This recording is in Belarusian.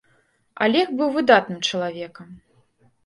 Алег быў выдатным чалавекам.